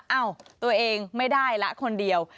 เอ้าตัวเองไม่ได้ละคนเดียว